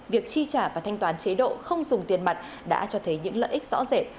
việc chi trả và thanh toán chế độ không dùng tiền mặt đã cho thấy những lợi ích rõ rệt